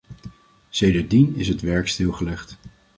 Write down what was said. Sedertdien is het werk stilgelegd.